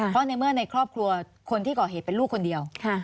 เพราะในเมื่อในครอบครัวคนที่ก่อเหตุเป็นลูกคนเดียว